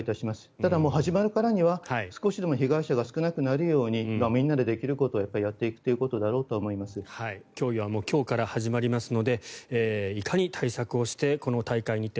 ただ始まるからには少しでも被害者が少なくなるようにみんなでできることをやっていくことだろうと競技は今日から始まりますのでいかに対策をしてこの大会日程